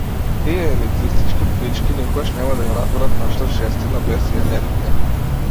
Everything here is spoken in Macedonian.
Тие елитистички пички никогаш нема да ја разберат нашата жестина, бес и енергија!